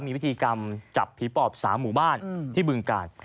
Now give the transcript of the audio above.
มีพิธีกรรมจับผีปอบ๓หมู่บ้านที่บึงกาล